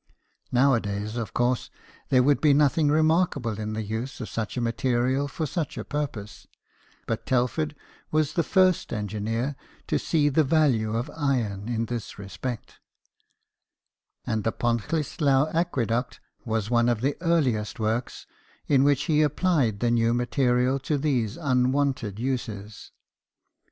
Nowadays, of course, there would be nothing remarkable in the use of such a material for such a purpose ; but Telford was the first engineer to see the value of iron in this respect, and the Pont Cysylltau aqueduct was one of the earliest works in which he applied the new material to these unwonted uses.